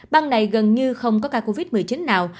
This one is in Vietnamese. bang này gần như không có ca covid một mươi chín nào